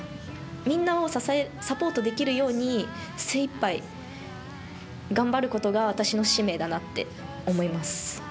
みんなをサポートできるように、精いっぱい頑張ることが、私の使命だなって思います。